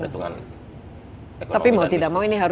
tapi mau tidak mau